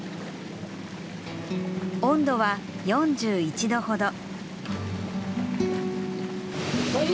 温度は４１度ほど。